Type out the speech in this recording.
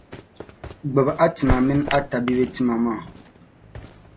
Gbib’ a tima min’ a tabibi tima maa.